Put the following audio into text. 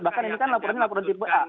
bahkan ini kan laporannya laporan tipe a